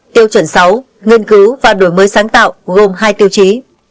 tiêu chuẩn sáu nghiên cứu và đổi mới sáng tạo gồm hai tiêu chí